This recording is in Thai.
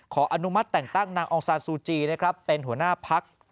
ขออนุมัติแต่งตั้งนางองศาลซูจีเป็นหัวหน้าพัก